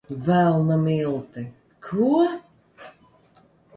Velna milti! Ko?